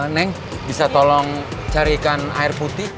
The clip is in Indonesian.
neng bisa tolong carikan air putih